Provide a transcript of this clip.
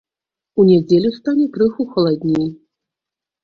У нядзелю стане крыху халадней.